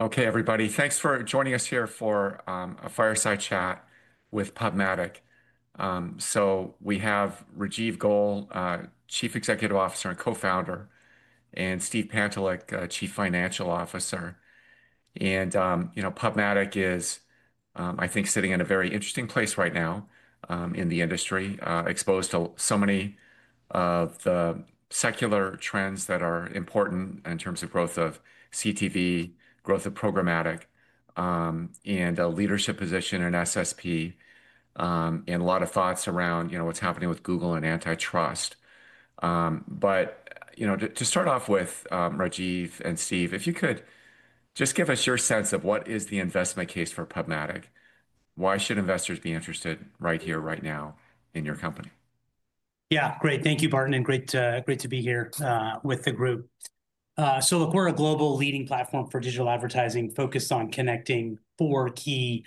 Okay, everybody, thanks for joining us here for a fireside chat with PubMatic. We have Rajeev Goel, Chief Executive Officer and Co-Founder, and Steve Pantelick, Chief Financial Officer. PubMatic is, I think, sitting in a very interesting place right now in the industry, exposed to so many of the secular trends that are important in terms of growth of CTV, growth of programmatic, and a leadership position in SSP, and a lot of thoughts around what's happening with Google and antitrust. To start off with, Rajeev and Steve, if you could just give us your sense of what is the investment case for PubMatic? Why should investors be interested right here, right now, in your company? Yeah, great. Thank you, Barton, and great to be here with the group. Look, we're a global leading platform for digital advertising focused on connecting four key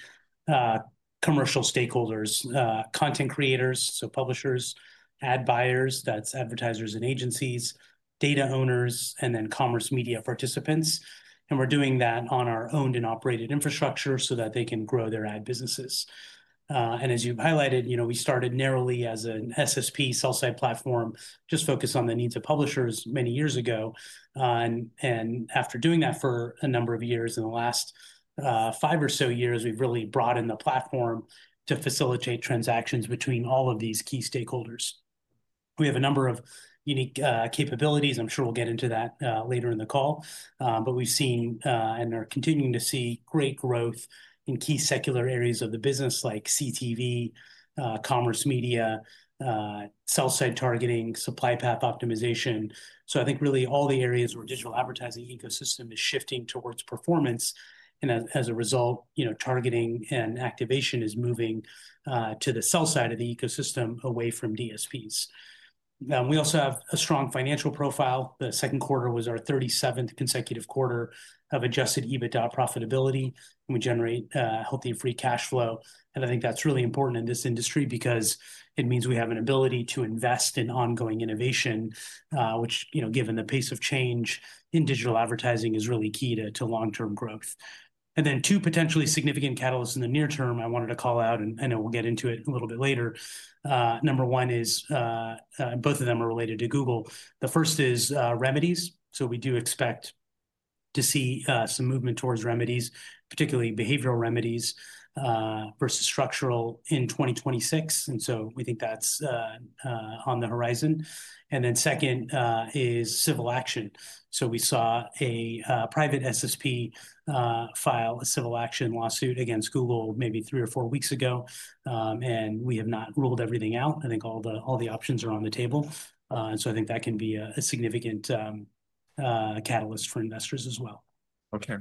commercial stakeholders: content creators, so publishers, ad buyers, that's advertisers and agencies, data owners, and then commerce media participants. We're doing that on our owned and operated infrastructure so that they can grow their ad businesses. As you've highlighted, we started narrowly as an SSP, sell-side platform, just focused on the needs of publishers many years ago. After doing that for a number of years, in the last five or so years, we've really broadened the platform to facilitate transactions between all of these key stakeholders. We have a number of unique capabilities. I'm sure we'll get into that later in the call. We've seen and are continuing to see great growth in key secular areas of the business, like CTV, commerce media, sell-side targeting, supply path optimization. I think really all the areas where the digital advertising ecosystem is shifting towards performance, and as a result, targeting and activation is moving to the sell-side of the ecosystem away from DSPs. We also have a strong financial profile. The second quarter was our 37th consecutive quarter of adjusted EBITDA profitability. We generate healthy free cash flow. I think that's really important in this industry because it means we have an ability to invest in ongoing innovation, which, given the pace of change in digital advertising, is really key to long-term growth. Two potentially significant catalysts in the near term I wanted to call out, and I will get into it a little bit later. Number one is, and both of them are related to Google. The first is remedies. We do expect to see some movement towards remedies, particularly behavioral remedies vs structural in 2026. We think that's on the horizon. Second is civil action. We saw a private SSP file a civil action lawsuit against Google maybe three or four weeks ago. We have not ruled everything out. I think all the options are on the table. I think that can be a significant catalyst for investors as well. Okay.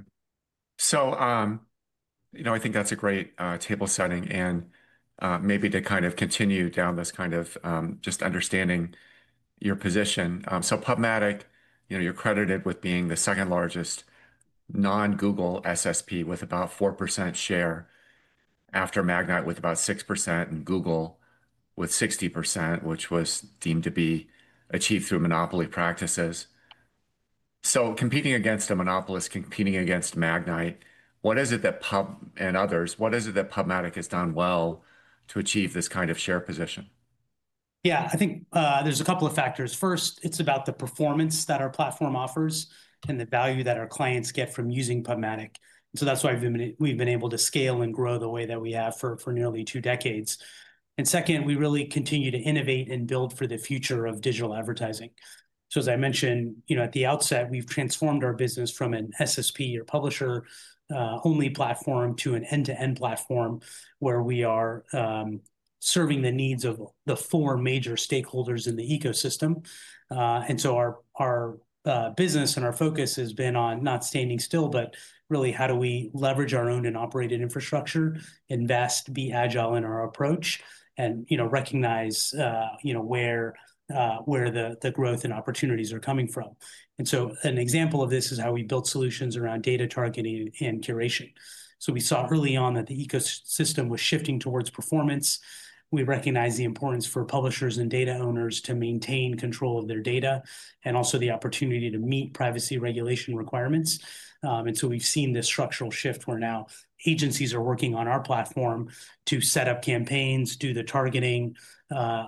I think that's a great table setting. Maybe to kind of continue down this kind of just understanding your position. PubMatic, you're credited with being the second largest non-Google SSP with about 4% share after Magnite with about 6% and Google with 60%, which was deemed to be achieved through monopoly practices. Competing against a monopolist, competing against Magnite, what is it that Pub and others, what is it that PubMatic has done well to achieve this kind of share position? Yeah, I think there's a couple of factors. First, it's about the performance that our platform offers and the value that our clients get from using PubMatic. That's why we've been able to scale and grow the way that we have for nearly two decades. Second, we really continue to innovate and build for the future of digital advertising. As I mentioned at the outset, we've transformed our business from an SSP or publisher-only platform to an end-to-end platform where we are serving the needs of the four major stakeholders in the ecosystem. Our business and our focus has been on not standing still, but really how do we leverage our own and operated infrastructure, invest, be agile in our approach, and recognize where the growth and opportunities are coming from. An example of this is how we built solutions around data targeting and curation. We saw early on that the ecosystem was shifting towards performance. We recognize the importance for publishers and data owners to maintain control of their data and also the opportunity to meet privacy regulation requirements. We've seen this structural shift where now agencies are working on our platform to set up campaigns, do the targeting,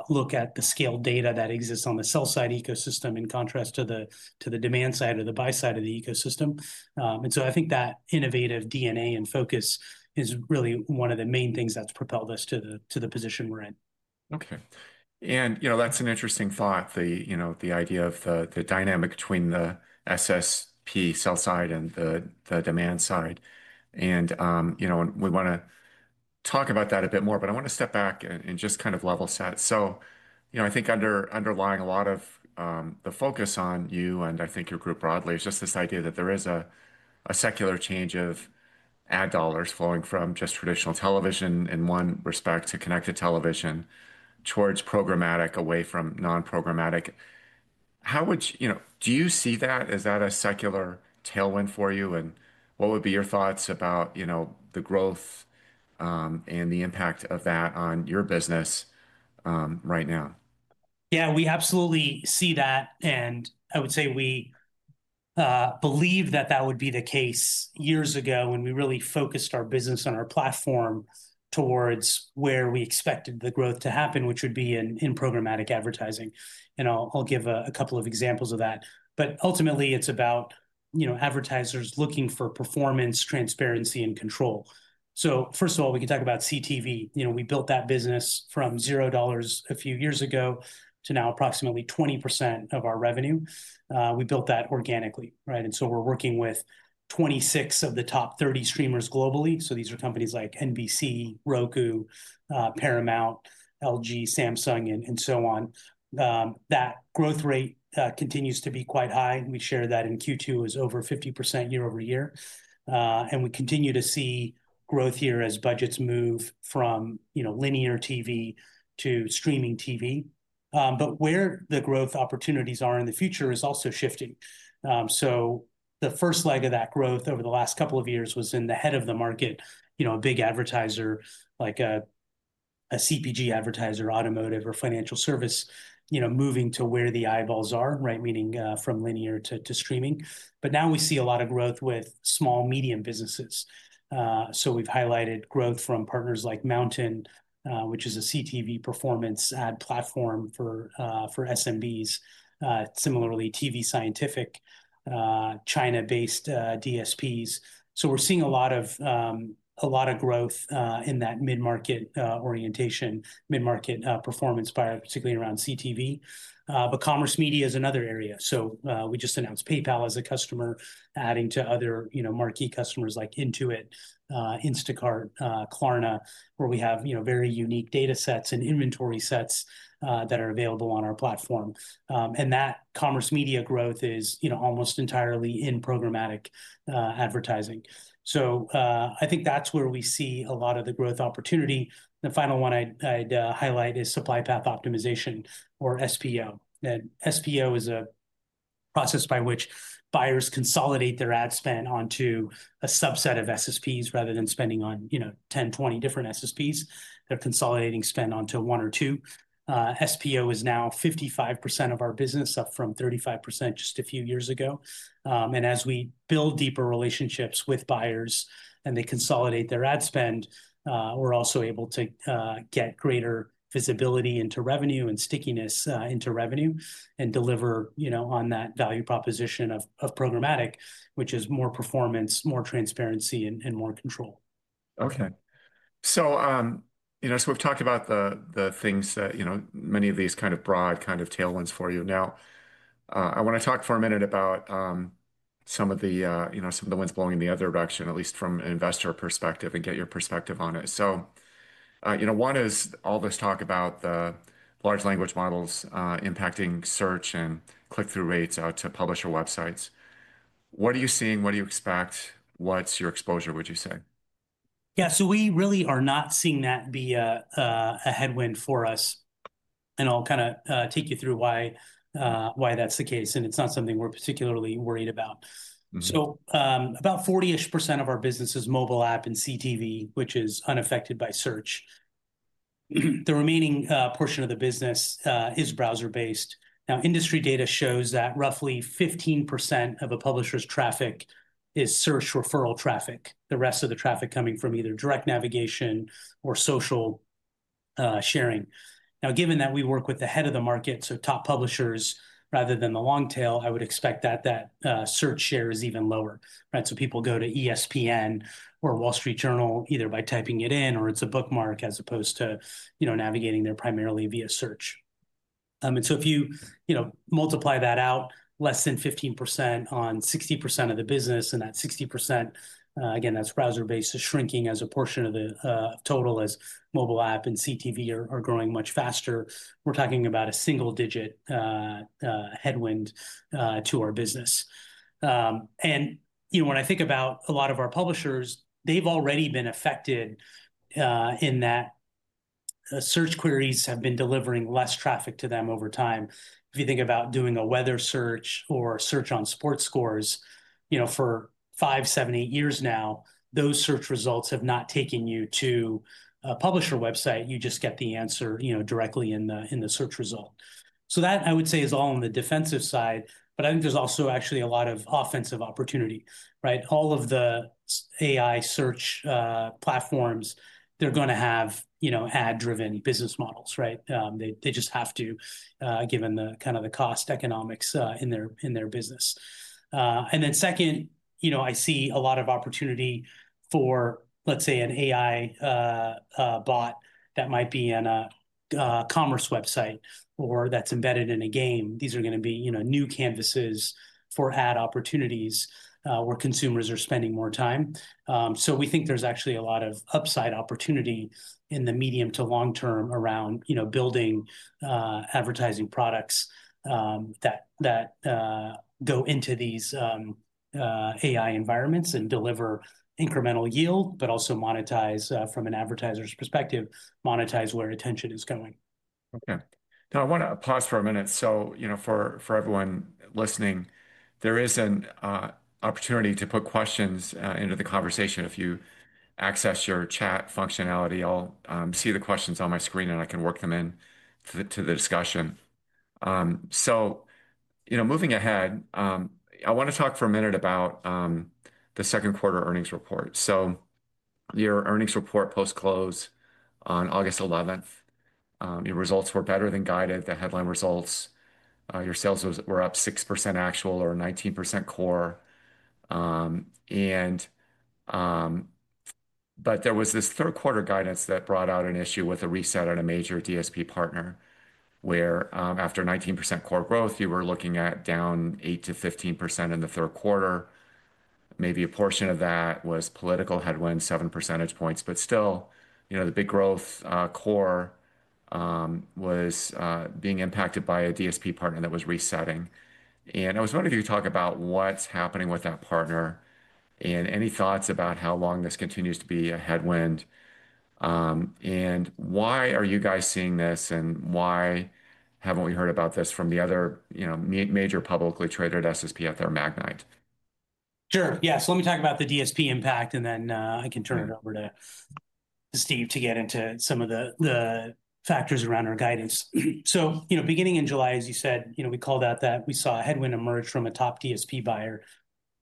look at the scale data that exists on the sell-side ecosystem in contrast to the demand side or the buy side of the ecosystem. I think that innovative DNA and focus is really one of the main things that's propelled us to the position we're in. Okay. That's an interesting thought, the idea of the dynamic between the SSP sell side and the demand side. We want to talk about that a bit more, but I want to step back and just kind of level set. I think underlying a lot of the focus on you and I think your group broadly is just this idea that there is a secular change of ad dollars flowing from just traditional television in one respect to connected television towards programmatic away from non-programmatic. How would you, do you see that? Is that a secular tailwind for you? What would be your thoughts about the growth and the impact of that on your business right now? Yeah, we absolutely see that. I would say we believe that that would be the case years ago when we really focused our business and our platform towards where we expected the growth to happen, which would be in programmatic advertising. I'll give a couple of examples of that. Ultimately, it's about, you know, advertisers looking for performance, transparency, and control. First of all, we can talk about CTV. We built that business from $0 a few years ago to now approximately 20% of our revenue. We built that organically, right? We're working with 26 of the top 30 streamers globally. These are companies like NBC, Roku, Paramount, LG, Samsung, and so on. That growth rate continues to be quite high. We shared that in Q2 it was over 50% year-over-year. We continue to see growth here as budgets move from, you know, linear TV to streaming TV. Where the growth opportunities are in the future is also shifting. The first leg of that growth over the last couple of years was in the head of the market, you know, a big advertiser like a CPG advertiser, automotive, or financial service, moving to where the eyeballs are, right? Meaning from linear to streaming. Now we see a lot of growth with small medium businesses. We've highlighted growth from partners like MNTN, which is a CTV performance ad platform for SMBs. Similarly, tvScientific, China-based DSPs. We're seeing a lot of growth in that mid-market orientation, mid-market performance buyer, particularly around CTV. Commerce media is another area. We just announced PayPal as a customer, adding to other, you know, marquee customers like Intuit, Instacart, Klarna, where we have, you know, very unique data sets and inventory sets that are available on our platform. That commerce media growth is, you know, almost entirely in programmatic advertising. I think that's where we see a lot of the growth opportunity. The final one I'd highlight is supply path optimization or SPO. SPO is a process by which buyers consolidate their ad spend onto a subset of SSPs rather than spending on, you know, 10, 20 different SSPs. They're consolidating spend onto one or two. SPO is now 55% of our business, up from 35% just a few years ago. As we build deeper relationships with buyers and they consolidate their ad spend, we're also able to get greater visibility into revenue and stickiness into revenue and deliver, you know, on that value proposition of programmatic, which is more performance, more transparency, and more control. Okay. We've talked about the things that, you know, many of these kind of broad tailwinds for you. I want to talk for a minute about some of the winds blowing in the other direction, at least from an investor perspective, and get your perspective on it. One is all this talk about the large language models impacting search and click-through rates out to publisher websites. What are you seeing? What do you expect? What's your exposure, would you say? Yeah, so we really are not seeing that be a headwind for us. I'll kind of take you through why that's the case. It's not something we're particularly worried about. About 40% of our business is mobile app and CTV, which is unaffected by search. The remaining portion of the business is browser-based. Industry data shows that roughly 15% of a publisher's traffic is search referral traffic, the rest of the traffic coming from either direct navigation or social sharing. Given that we work with the head of the market, so top publishers, rather than the long tail, I would expect that that search share is even lower. People go to ESPN or Wall Street Journal either by typing it in or it's a bookmark as opposed to, you know, navigating there primarily via search. If you multiply that out, less than 15% on 60% of the business, and that 60%, again, that's browser-based, is shrinking as a portion of the total as mobile app and CTV are growing much faster. We're talking about a single-digit headwind to our business. When I think about a lot of our publishers, they've already been affected in that search queries have been delivering less traffic to them over time. If you think about doing a weather search or search on sports scores, for five, seven, eight years now, those search results have not taken you to a publisher website. You just get the answer directly in the search result. That, I would say, is all on the defensive side. I think there's also actually a lot of offensive opportunity. All of the AI search platforms, they're going to have ad-driven business models. They just have to, given the kind of the cost economics in their business. I see a lot of opportunity for, let's say, an AI bot that might be in a commerce website or that's embedded in a game. These are going to be new canvases for ad opportunities where consumers are spending more time. We think there's actually a lot of upside opportunity in the medium to long term around building advertising products that go into these AI environments and deliver incremental yield, but also monetize from an advertiser's perspective, monetize where attention is going. Okay. Now, I want to pause for a minute. For everyone listening, there is an opportunity to put questions into the conversation. If you access your chat functionality, I'll see the questions on my screen and I can work them into the discussion. Moving ahead, I want to talk for a minute about the second quarter earnings report. Your earnings report post-close on August 11th, your results were better than guided, the headline results. Your sales were up 6% actual or 19% core. There was this third-quarter guidance that brought out an issue with a reset on a major DSP partner where, after 19% core growth, you were looking at down 8%-15% in the third quarter. Maybe a portion of that was political, had went 7 percentage points, but still, the big growth core was being impacted by a DSP partner that was resetting. I was wondering if you could talk about what's happening with that partner and any thoughts about how long this continues to be a headwind and why are you guys seeing this and why haven't we heard about this from the other major publicly traded SSP out there, Magnite. Sure. Yeah. Let me talk about the DSP impact and then I can turn it over to Steve to get into some of the factors around our guidance. Beginning in July, as you said, we called out that we saw a headwind emerge from a top DSP buyer,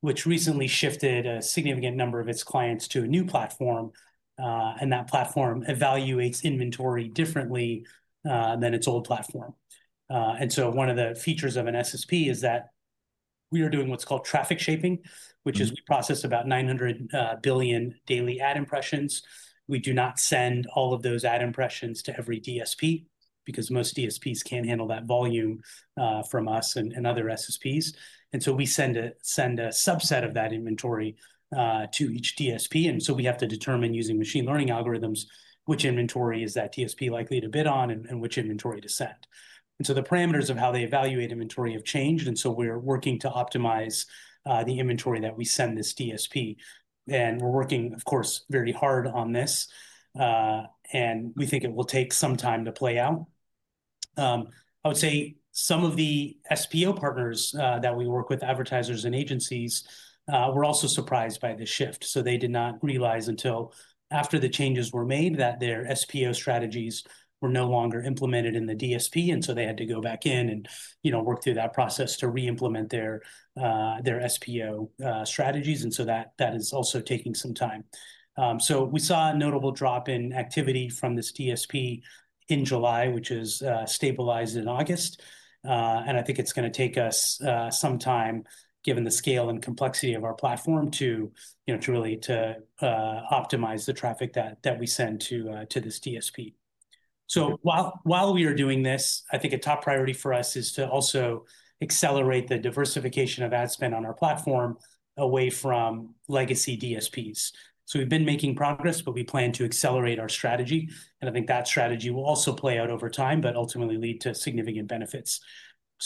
which recently shifted a significant number of its clients to a new platform. That platform evaluates inventory differently than its old platform. One of the features of an SSP is that we are doing what's called traffic shaping, which is we process about 900 billion daily ad impressions. We do not send all of those ad impressions to every DSP because most DSPs can't handle that volume from us and other SSPs. We send a subset of that inventory to each DSP. We have to determine, using machine learning algorithms, which inventory is that DSP likely to bid on and which inventory to send. The parameters of how they evaluate inventory have changed. We are working to optimize the inventory that we send this DSP. We are working, of course, very hard on this, and we think it will take some time to play out. I would say some of the SPO partners that we work with, advertisers and agencies, were also surprised by this shift. They did not realize until after the changes were made that their SPO strategies were no longer implemented in the DSP. They had to go back in and work through that process to reimplement their SPO strategies. That is also taking some time. We saw a notable drop in activity from this DSP in July, which has stabilized in August. I think it's going to take us some time, given the scale and complexity of our platform, to really optimize the traffic that we send to this DSP. While we are doing this, I think a top priority for us is to also accelerate the diversification of ad spend on our platform away from legacy DSPs. We have been making progress, but we plan to accelerate our strategy. I think that strategy will also play out over time, but ultimately lead to significant benefits.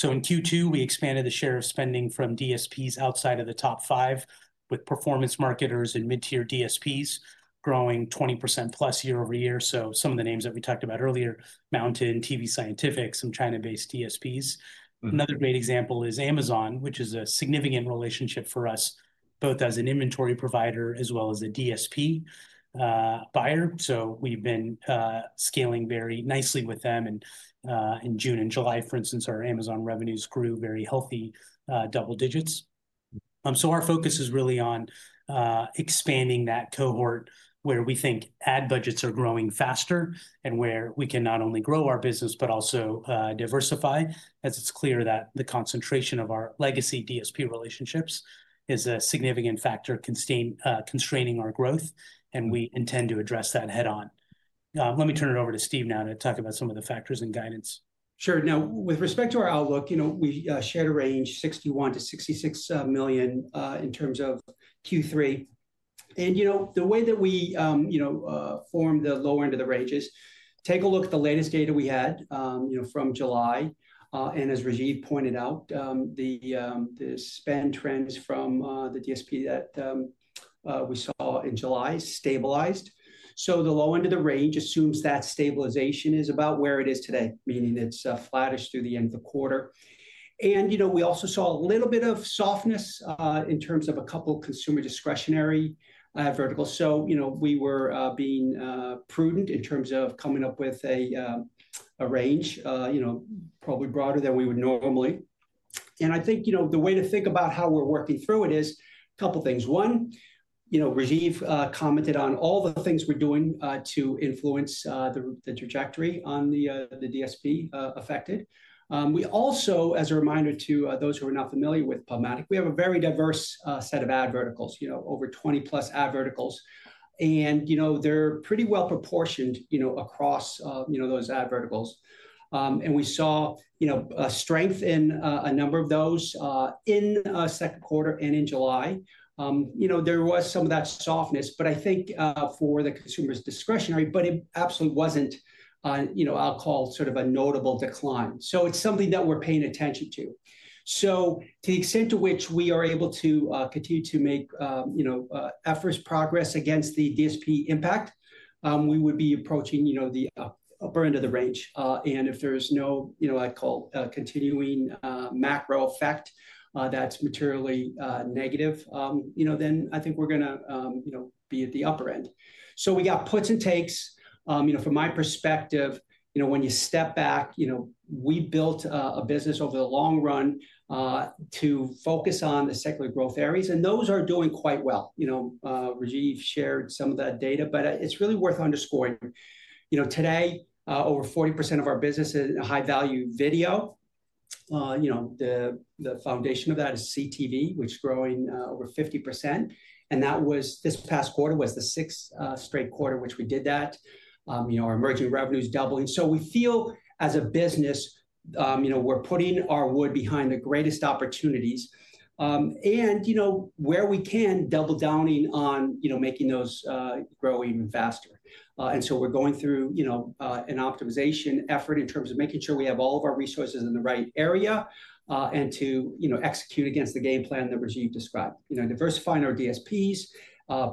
In Q2, we expanded the share of spending from DSPs outside of the top five with performance marketers and mid-tier DSPs growing 20%+ year-over-year. Some of the names that we talked about earlier, MNTN, tvScientific, some China-based DSPs. Another great example is Amazon, which is a significant relationship for us, both as an inventory provider as well as a DSP buyer. We have been scaling very nicely with them. In June and July, for instance, our Amazon revenues grew very healthy double digits. Our focus is really on expanding that cohort where we think ad budgets are growing faster and where we can not only grow our business, but also diversify. It is clear that the concentration of our legacy DSP relationships is a significant factor constraining our growth, and we intend to address that head-on. Let me turn it over to Steve now to talk about some of the factors and guidance. Sure. With respect to our outlook, we shared a range of $61 million-$66 million in terms of Q3. The way that we formed the lower end of the range is to take a look at the latest data we had from July. As Rajeev pointed out, the spend trends from the DSP that we saw in July stabilized. The low end of the range assumes that stabilization is about where it is today, meaning it is flattish through the end of the quarter. We also saw a little bit of softness in terms of a couple of consumer discretionary verticals. We were being prudent in terms of coming up with a range, probably broader than we would normally. I think the way to think about how we are working through it is a couple of things. One, Rajeev commented on all the things we are doing to influence the trajectory on the DSP affected. Also, as a reminder to those who are not familiar with PubMatic, we have a very diverse set of ad verticals, over 20+ ad verticals, and they are pretty well proportioned across those ad verticals. We saw strength in a number of those in the second quarter and in July. There was some of that softness, I think, for the consumer discretionary, but it absolutely was not, I will call it, sort of a notable decline. It is something that we are paying attention to. To the extent to which we are able to continue to make efforts progress against the DSP impact, we would be approaching the upper end of the range. If there is no, I would call, continuing macro effect that is materially negative, then I think we are going to be at the upper end. We have puts and takes. From my perspective, when you step back, we built a business over the long run to focus on the secular growth areas, and those are doing quite well. Rajeev shared some of that data, but it's really worth underscoring. Today, over 40% of our business is high-value video. The foundation of that is CTV, which is growing over 50%. That was this past quarter, the sixth straight quarter in which we did that. Our emerging revenues doubled. We feel as a business we're putting our wood behind the greatest opportunities, where we can double down on making those grow even faster. We're going through an optimization effort in terms of making sure we have all of our resources in the right area to execute against the game plan that Rajeev described. Diversifying our DSPs,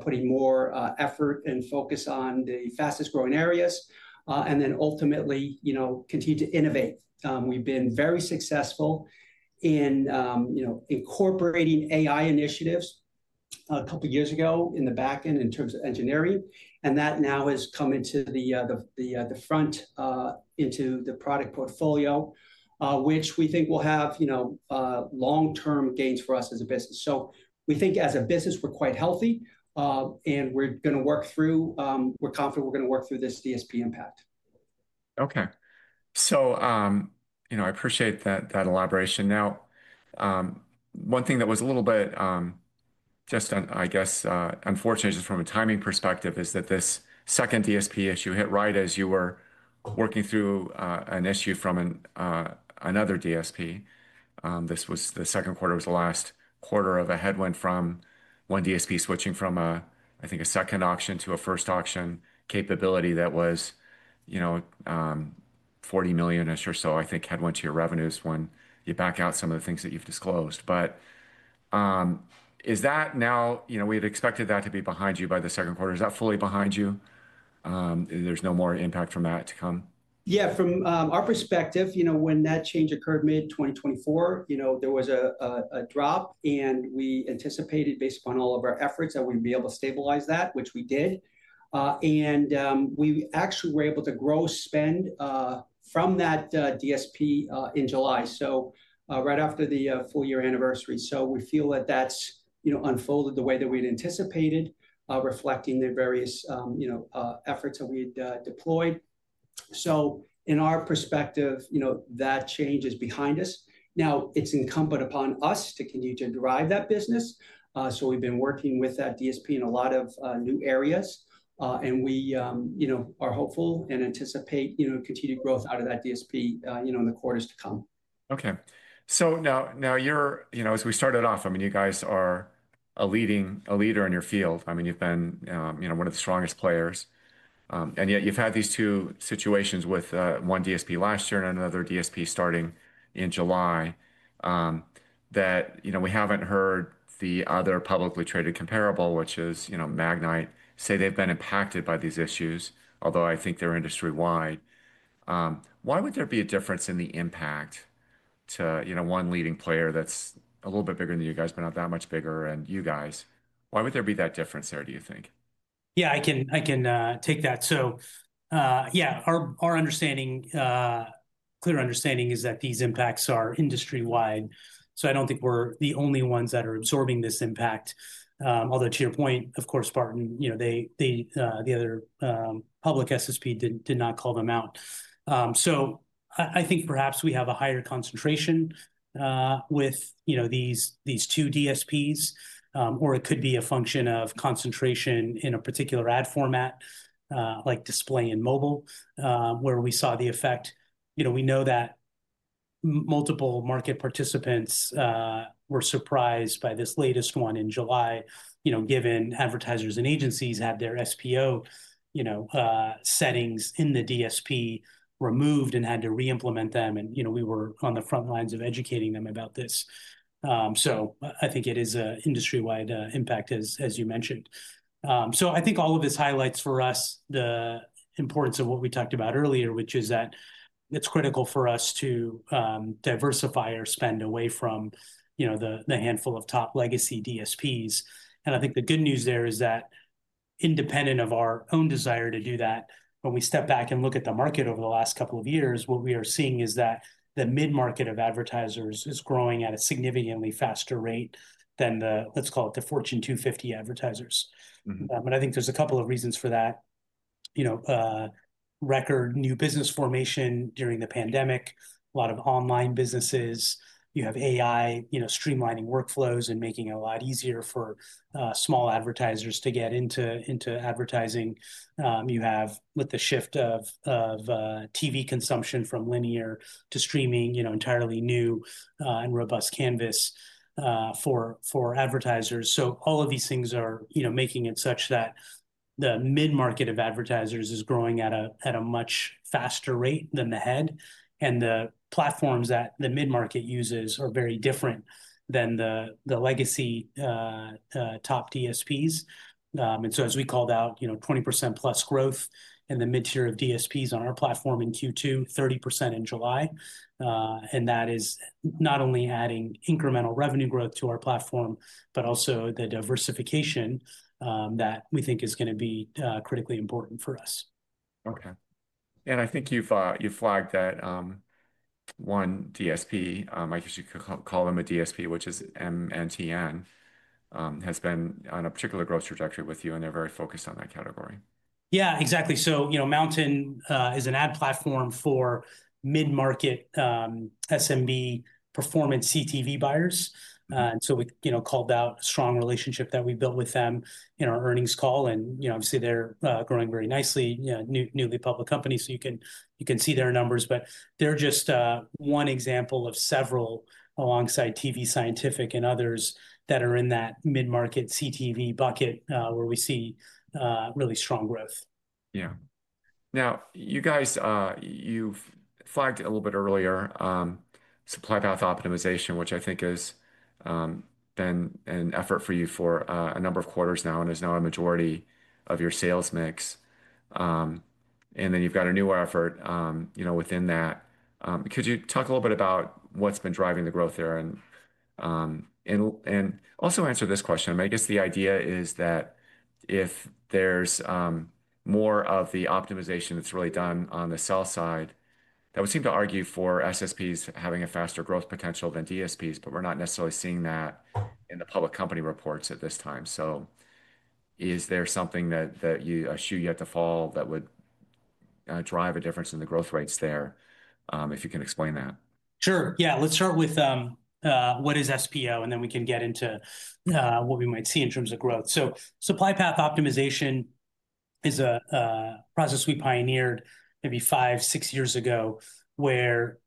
putting more effort and focus on the fastest growing areas, and ultimately, continuing to innovate. We've been very successful in incorporating AI initiatives a couple of years ago in the backend in terms of engineering. That now has come into the front into the product portfolio, which we think will have long-term gains for us as a business. We think as a business, we're quite healthy and we're confident we're going to work through this DSP impact. Okay. I appreciate that elaboration. One thing that was a little bit just, I guess, unfortunate just from a timing perspective is that this second DSP issue hit right as you were working through an issue from another DSP. This was the second quarter, the last quarter of a headwind from one DSP switching from a, I think, a second auction to a first auction capability that was, you know, $40 million-ish or so, I think, headwind to your revenues when you back out some of the things that you've disclosed. Is that now, you know, we've expected that to be behind you by the second quarter. Is that fully behind you? There's no more impact from that to come? Yeah, from our perspective, when that change occurred mid-2024, there was a drop and we anticipated based upon all of our efforts that we'd be able to stabilize that, which we did. We actually were able to grow spend from that DSP in July, right after the four-year anniversary. We feel that that's unfolded the way that we'd anticipated, reflecting the various efforts that we had deployed. In our perspective, that change is behind us. Now it's [incomplete] upon us to continue to drive that business. We've been working with that DSP in a lot of new areas. We are hopeful and anticipate continued growth out of that DSP in the quarters to come. Okay. Now you're, you know, as we started off, I mean, you guys are a leading leader in your field. I mean, you've been, you know, one of the strongest players. Yet you've had these two situations with one DSP last year and another DSP starting in July that, you know, we haven't heard the other publicly traded comparable, which is, you know, Magnite, say they've been impacted by these issues, although I think they're industry-wide. Why would there be a difference in the impact to, you know, one leading player that's a little bit bigger than you guys, but not that much bigger than you guys? Why would there be that difference there, do you think? Yeah, I can take that. Our understanding, clear understanding is that these impacts are industry-wide. I don't think we're the only ones that are absorbing this impact. Although to your point, of course, Barton, the other public SSP did not call them out. I think perhaps we have a higher concentration with these two DSPs, or it could be a function of concentration in a particular ad format, like display and mobile, where we saw the effect. We know that multiple market participants were surprised by this latest one in July, given advertisers and agencies had their SPO settings in the DSP removed and had to reimplement them. We were on the front lines of educating them about this. I think it is an industry-wide impact, as you mentioned. All of this highlights for us the importance of what we talked about earlier, which is that it's critical for us to diversify our spend away from the handful of top legacy DSPs. The good news there is that independent of our own desire to do that, when we step back and look at the market over the last couple of years, what we are seeing is that the mid-market of advertisers is growing at a significantly faster rate than the, let's call it the [14-50] advertisers. I think there's a couple of reasons for that. Record new business formation during the pandemic, a lot of online businesses, you have AI streamlining workflows and making it a lot easier for small advertisers to get into advertising. With the shift of TV consumption from linear to streaming, you have an entirely new and robust canvas for advertisers. All of these things are making it such that the mid-market of advertisers is growing at a much faster rate than the head. The platforms that the mid-market uses are very different than the legacy top DSPs. As we called out, 20%+ growth in the mid-tier of DSPs on our platform in Q2, 30% in July. That is not only adding incremental revenue growth to our platform, but also the diversification that we think is going to be critically important for us. Okay. I think you've flagged that one DSP, I guess you could call them a DSP, which is MNTN, has been on a particular growth trajectory with you and they're very focused on that category. Yeah, exactly. Mountain is an ad platform for mid-market SMB performance CTV buyers. We called out a strong relationship that we built with them in our earnings call. Obviously, they're growing very nicely, newly public company, so you can see their numbers. They're just one example of several alongside tvScientific and others that are in that mid-market CTV bucket where we see really strong growth. Yeah. Now, you guys, you've flagged a little bit earlier supply path optimization, which I think has been an effort for you for a number of quarters now and is now a majority of your sales mix. You've got a new effort, you know, within that. Could you talk a little bit about what's been driving the growth there and also answer this question? I guess the idea is that if there's more of the optimization that's really done on the sell side, that would seem to argue for SSPs having a faster growth potential than DSPs, but we're not necessarily seeing that in the public company reports at this time. Is there something that you should yet to fall that would drive a difference in the growth rates there if you can explain that? Sure. Yeah, let's start with what is SPO and then we can get into what we might see in terms of growth. Supply path optimization is a process we pioneered maybe five, six years ago where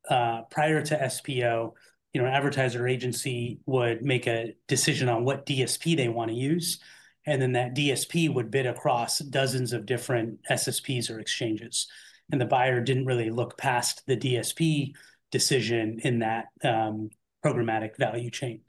prior to SPO, an advertiser agency would make a decision on what DSP they want to use, and then that DSP would bid across dozens of different SSPs or exchanges. The buyer didn't really look past the DSP decision in that programmatic value chain.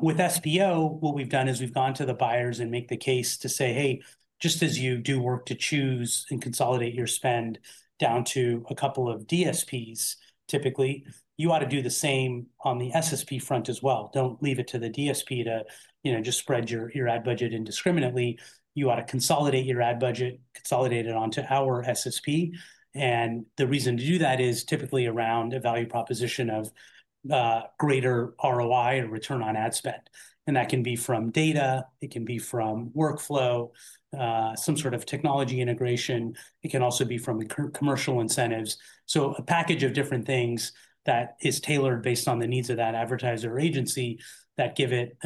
With SPO, what we've done is we've gone to the buyers and made the case to say, "Hey, just as you do work to choose and consolidate your spend down to a couple of DSPs, typically, you ought to do the same on the SSP front as well. Don't leave it to the DSP to just spread your ad budget indiscriminately. You ought to consolidate your ad budget, consolidate it onto our SSP." The reason to do that is typically around a value proposition of greater ROI or return on ad spend. That can be from data, it can be from workflow, some sort of technology integration, it can also be from commercial incentives. A package of different things that is tailored based on the needs of that advertiser agency gives it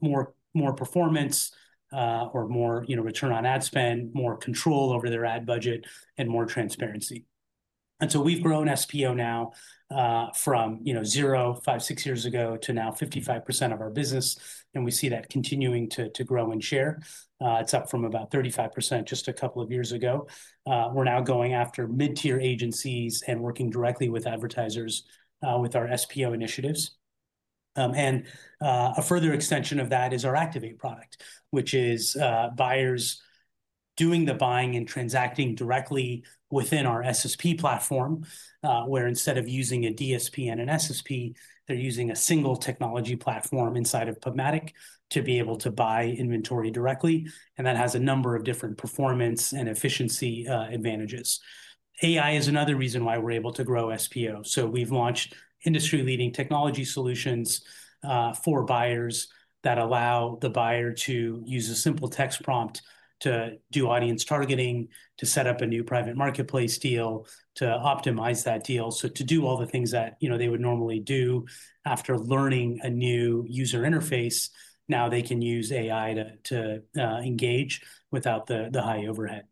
more performance or more return on ad spend, more control over their ad budget, and more transparency. We've grown SPO now from zero, five, six years ago to now 55% of our business, and we see that continuing to grow in share. It's up from about 35% just a couple of years ago. We're now going after mid-tier agencies and working directly with advertisers with our SPO initiatives. A further extension of that is our Activate product, which is buyers doing the buying and transacting directly within our SSP platform, where instead of using a DSP and an SSP, they're using a single technology platform inside of PubMatic to be able to buy inventory directly. That has a number of different performance and efficiency advantages. AI is another reason why we're able to grow SPO. We've launched industry-leading technology solutions for buyers that allow the buyer to use a simple text prompt to do audience targeting, to set up a new private marketplace deal, to optimize that deal. To do all the things that they would normally do after learning a new user interface, now they can use AI to engage without the high overhead.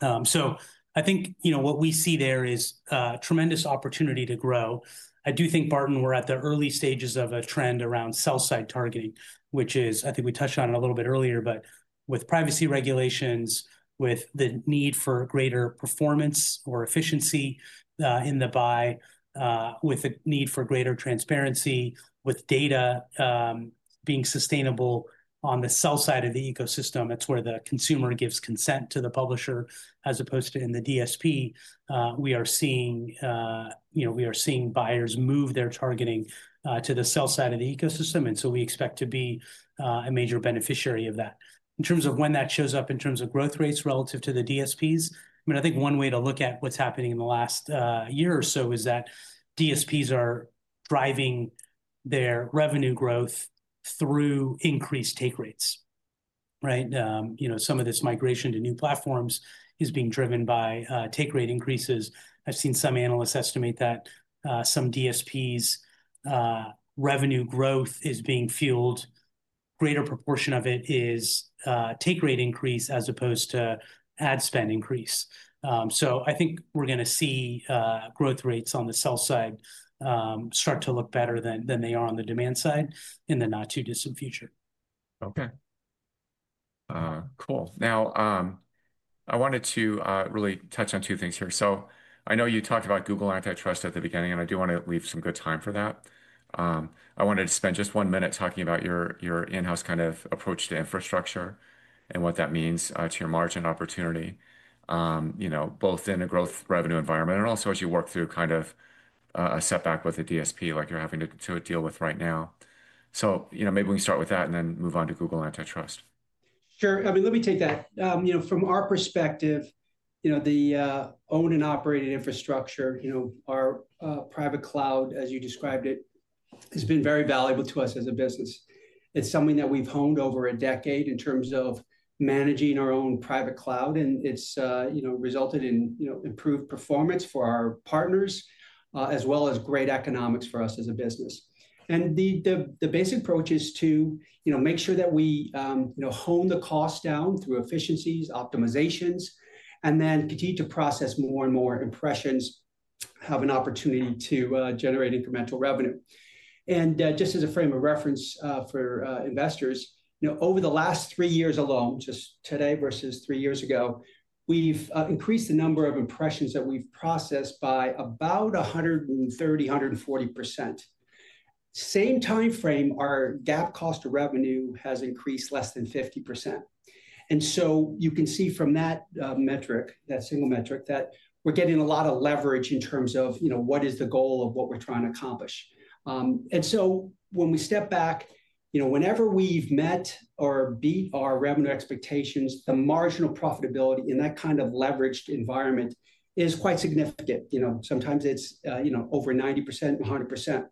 I think what we see there is a tremendous opportunity to grow. I do think, Barton, we're at the early stages of a trend around sell-side targeting, which is, I think we touched on it a little bit earlier, but with privacy regulations, with the need for greater performance or efficiency in the buy, with the need for greater transparency, with data being sustainable on the sell side of the ecosystem, it's where the consumer gives consent to the publisher as opposed to in the DSP. We are seeing buyers move their targeting to the sell side of the ecosystem. We expect to be a major beneficiary of that. In terms of when that shows up in terms of growth rates relative to the DSPs, I mean, I think one way to look at what's happening in the last year or so is that DSPs are driving their revenue growth through increased take rates. Some of this migration to new platforms is being driven by take rate increases. I've seen some analysts estimate that some DSPs' revenue growth is being fueled. A greater proportion of it is take rate increase as opposed to ad spend increase. I think we're going to see growth rates on the sell side start to look better than they are on the demand side in the not too distant future. Okay. Cool. Now, I wanted to really touch on two things here. I know you talked about Google antitrust at the beginning, and I do want to leave some good time for that. I wanted to spend just one minute talking about your in-house kind of approach to infrastructure and what that means to your margin opportunity, both in a growth revenue environment and also as you work through kind of a setback with a DSP like you're having to deal with right now. Maybe we can start with that and then move on to Google antitrust. Sure. Let me take that. From our perspective, the owned and operated infrastructure, our private cloud, as you described it, has been very valuable to us as a business. It's something that we've honed over a decade in terms of managing our own private cloud, and it's resulted in improved performance for our partners as well as great economics for us as a business. The basic approach is to make sure that we hone the costs down through efficiencies, optimizations, and then continue to process more and more impressions, have an opportunity to generate incremental revenue. Just as a frame of reference for investors, over the last three years alone, just today vs three years ago, we've increased the number of impressions that we've processed by about 130%, 140%. In the same timeframe, our DAP cost to revenue has increased less than 50%. You can see from that metric, that single metric, that we're getting a lot of leverage in terms of what is the goal of what we're trying to accomplish. When we step back, whenever we've met or beat our revenue expectations, the marginal profitability in that kind of leveraged environment is quite significant. Sometimes it's over 90%, 100%.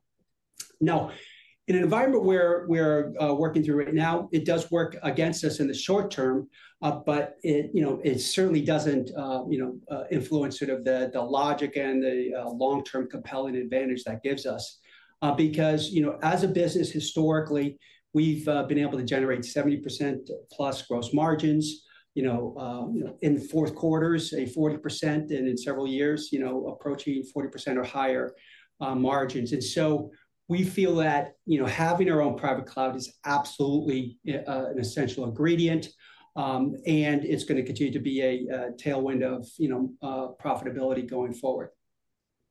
Now, in an environment where we're working through right now, it does work against us in the short term, but it certainly doesn't influence the logic and the long-term compelling advantage that gives us. As a business historically, we've been able to generate 70%+ gross margins, in fourth quarters, a 40%, and in several years, approaching 40% or higher margins. We feel that having our own private cloud is absolutely an essential ingredient, and it's going to continue to be a tailwind of profitability going forward.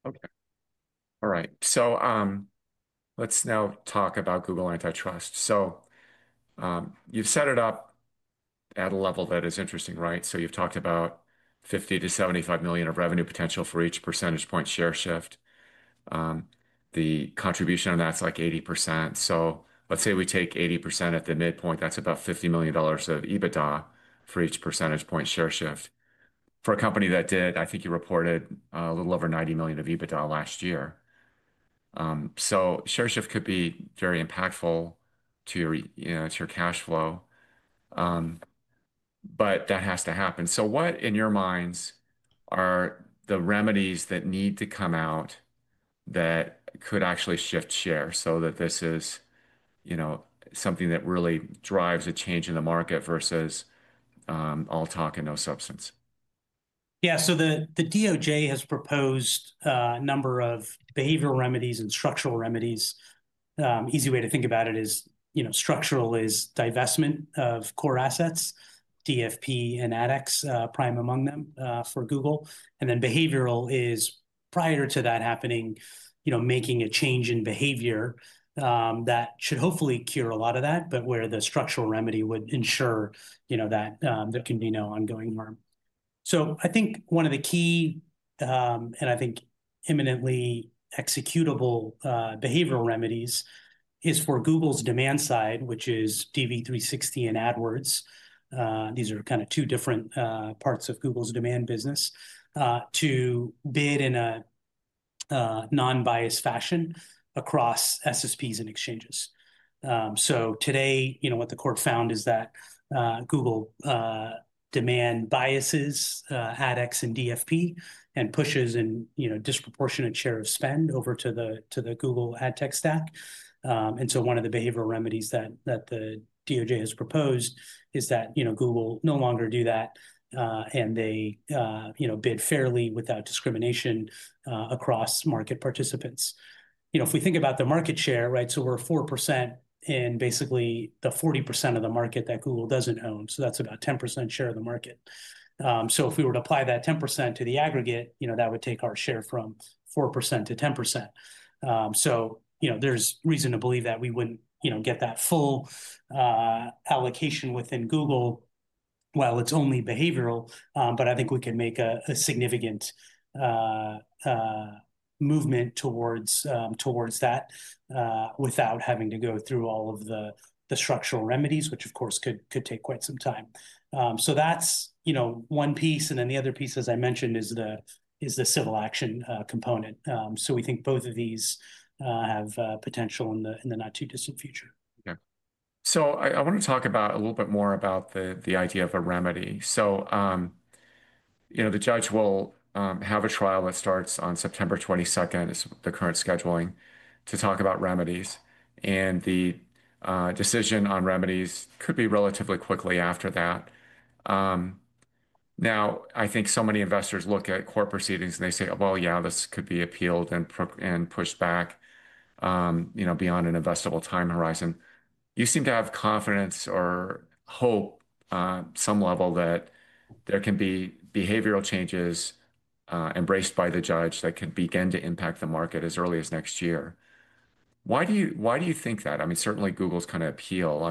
Okay. All right. Let's now talk about Google antitrust. You've set it up at a level that is interesting, right? You've talked about $50 million-$75 million of revenue potential for each % point share shift. The contribution on that's like 80%. Let's say we take 80% at the midpoint, that's about $50 million of EBITDA for each % point share shift. For a company that did, I think you reported a little over $90 million of EBITDA last year, share shift could be very impactful to your cash flow, but that has to happen. What in your minds are the remedies that need to come out that could actually shift share so that this is something that really drives a change in the market vs all talk and no substance? Yeah, so the DOJ has proposed a number of behavioral remedies and structural remedies. Easy way to think about it is, you know, structural is divestment of core assets, DFP and ADX, prime among them for Google. Then behavioral is prior to that happening, making a change in behavior that should hopefully cure a lot of that, where the structural remedy would ensure that there can be no ongoing harm. I think one of the key, and I think imminently executable behavioral remedies is for Google's demand side, which is DV360 and AdWords. These are kind of two different parts of Google's demand business to bid in a non-biased fashion across SSPs and exchanges. Today, what the court found is that Google demand biases ADX and DFP and pushes in disproportionate share of spend over to the Google AdTech stack. One of the behavioral remedies that the DOJ has proposed is that Google no longer do that and they bid fairly without discrimination across market participants. If we think about the market share, right, so we're 4% in basically the 40% of the market that Google doesn't own. That's about 10% share of the market. If we were to apply that 10% to the aggregate, that would take our share from 4%-10%. There's reason to believe that we wouldn't get that full allocation within Google while it's only behavioral, but I think we can make a significant movement towards that without having to go through all of the structural remedies, which of course could take quite some time. That's one piece. The other piece, as I mentioned, is the civil action component. We think both of these have potential in the not too distant future. Okay. I want to talk a little bit more about the idea of a remedy. The judge will have a trial that starts on September 22, which is the current scheduling, to talk about remedies. The decision on remedies could be relatively quickly after that. I think so many investors look at court proceedings and they say, yeah, this could be appealed and pushed back beyond an investable time horizon. You seem to have confidence or hope on some level that there can be behavioral changes embraced by the judge that could begin to impact the market as early as next year. Why do you think that? I mean, certainly Google's kind of appeal.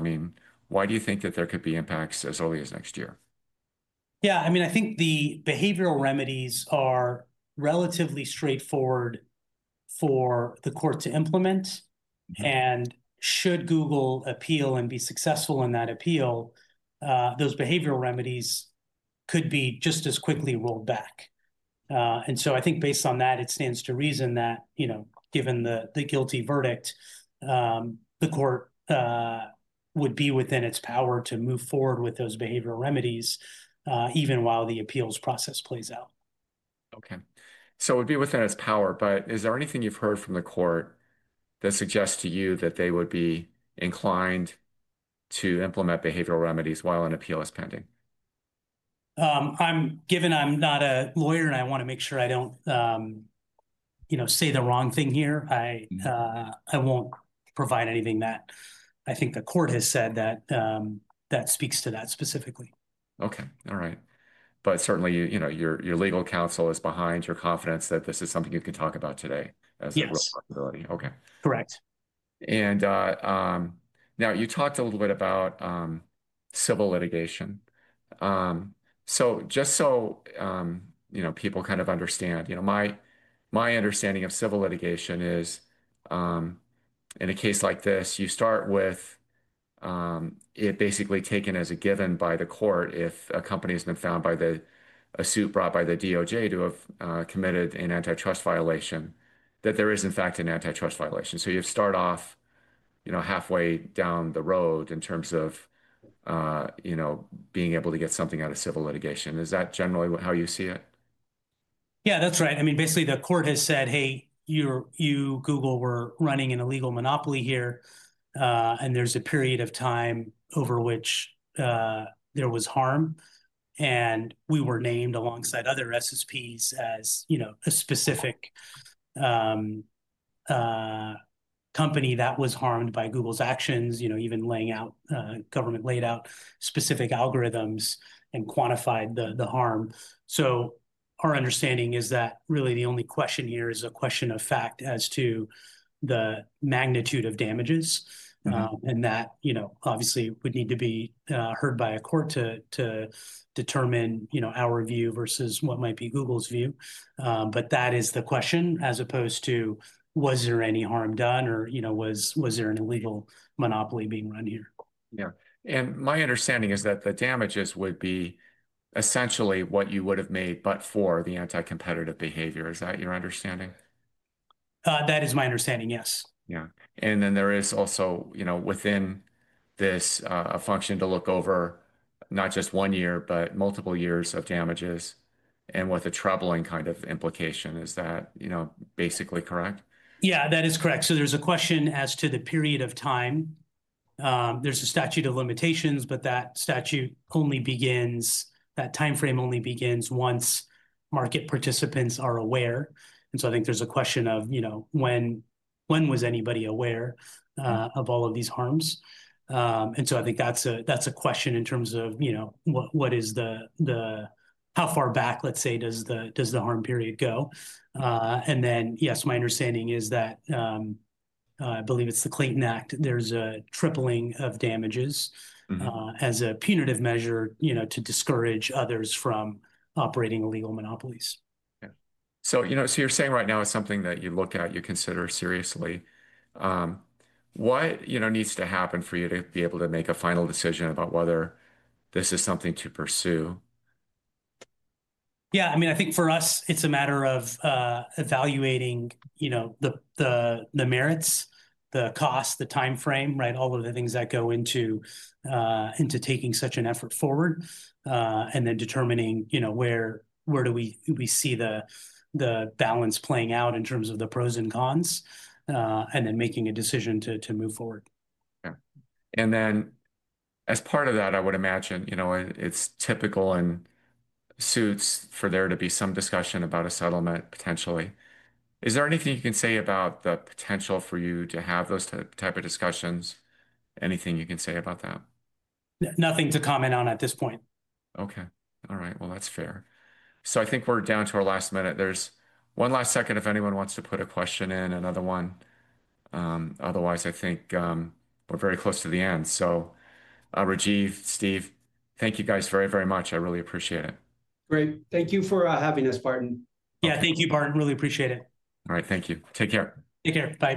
Why do you think that there could be impacts as early as next year? Yeah, I mean, I think the behavioral remedies are relatively straightforward for the court to implement. Should Google appeal and be successful in that appeal, those behavioral remedies could be just as quickly rolled back. I think based on that, it stands to reason that, you know, given the guilty verdict, the court would be within its power to move forward with those behavioral remedies, even while the appeals process plays out. Okay. We'll be within its power, but is there anything you've heard from the court that suggests to you that they would be inclined to implement behavioral remedies while an appeal is pending? Given I'm not a lawyer and I want to make sure I don't say the wrong thing here, I won't provide anything that I think the court has said that speaks to that specifically. All right. Certainly, your legal counsel is behind your confidence that this is something you can talk about today as a responsibility. Yes. Correct. You talked a little bit about civil litigation. Just so people kind of understand, my understanding of civil litigation is in a case like this, you start with it basically taken as a given by the court if a company has been found by a suit brought by the DOJ to have committed an antitrust violation, that there is in fact an antitrust violation. You start off halfway down the road in terms of being able to get something out of civil litigation. Is that generally how you see it? Yeah, that's right. I mean, basically the court has said, "Hey, you Google were running an illegal monopoly here, and there's a period of time over which there was harm." We were named alongside other SSPs as a specific company that was harmed by Google's actions, even laying out government laid out specific algorithms and quantified the harm. Our understanding is that really the only question here is a question of fact as to the magnitude of damages. That obviously would need to be heard by a court to determine our view vs what might be Google's view. That is the question as opposed to was there any harm done or was there an illegal monopoly being run here? Yeah, my understanding is that the damages would be essentially what you would have made but for the anti-competitive behavior. Is that your understanding? That is my understanding, yes. Yeah, there is also, you know, within this a function to look over not just one year, but multiple years of damages with a troubling kind of implication. Is that, you know, basically correct? Yeah, that is correct. There's a question as to the period of time. There's a statute of limitations, but that statute only begins, that timeframe only begins once market participants are aware. I think there's a question of, you know, when was anybody aware of all of these harms? I think that's a question in terms of, you know, how far back, let's say, does the harm period go? Yes, my understanding is that I believe it's the Clayton Act. There's a tripling of damages as a punitive measure, you know, to discourage others from operating illegal monopolies. Okay. You're saying right now it's something that you look at, you consider seriously. What needs to happen for you to be able to make a final decision about whether this is something to pursue? Yeah, I mean, I think for us, it's a matter of evaluating the merits, the cost, the timeframe, all of the things that go into taking such an effort forward, and then determining where do we see the balance playing out in terms of the pros and cons, and then making a decision to move forward. Okay. As part of that, I would imagine, you know, it's typical in suits for there to be some discussion about a settlement potentially. Is there anything you can say about the potential for you to have those types of discussions? Anything you can say about that? Nothing to comment on at this point. All right. That's fair. I think we're down to our last minute. There's one last second if anyone wants to put a question in, another one. Otherwise, I think we're very close to the end. Rajeev, Steve, thank you guys very, very much. I really appreciate it. Great. Thank you for having us, Barton. Yeah, thank you, Barton. Really appreciate it. All right. Thank you. Take care. Take care. Bye.